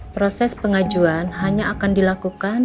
proses pengajuan hanya akan dilakukan